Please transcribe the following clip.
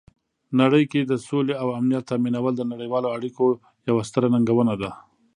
نړۍ کې د سولې او امنیت تامینول د نړیوالو اړیکو یوه ستره ننګونه ده.